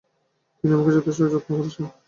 তিনি আমাদের যথেষ্ট যত্ন করছেন।